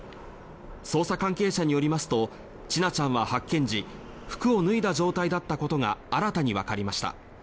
捜査関係者によりますと千奈ちゃんは発見時服を脱いだ状態だったことが新たにわかりました。